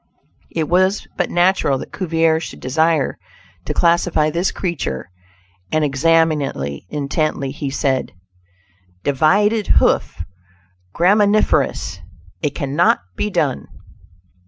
It was but natural that Cuvier should desire to classify this creature, and examining it intently, he said: "Divided hoof; graminivorous! It cannot be done."